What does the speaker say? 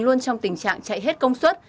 luôn trong tình trạng chạy hết công suất